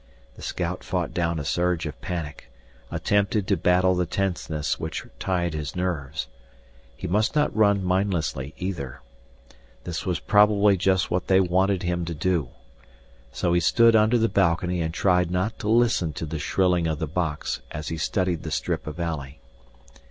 The scout fought down a surge of panic, attempted to battle the tenseness which tied his nerves. He must not run mindlessly either. That was probably just what they wanted him to do. So he stood under the balcony and tried not to listen to the shrilling of the box as he studied the strip of alley.